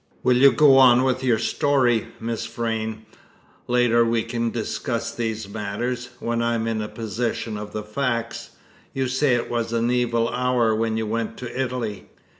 "Will you go on with your story, Miss Vrain? Later on we can discuss these matters, when I am in possession of the facts. You say it was an evil hour when you went to Italy."